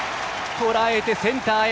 とらえてセンターへ。